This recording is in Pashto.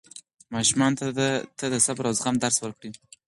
ماشومانو ته د صبر او زغم درس ورکړئ.